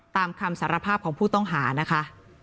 ตามคำสารภาพของผู้ต้องหานะคะ